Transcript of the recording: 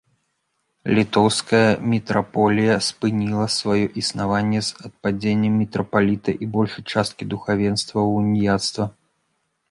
Літоўская мітраполія спыніла сваё існаванне з адпадзеннем мітрапаліта і большай часткі духавенства ва ўніяцтва.